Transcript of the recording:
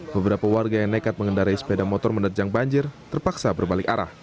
beberapa warga yang nekat mengendarai sepeda motor menerjang banjir terpaksa berbalik arah